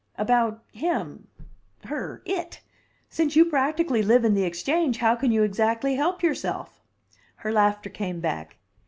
"About him her it! Since you practically live in the Exchange, how can you exactly help yourself?" Her laughter came back.